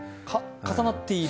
重なっている？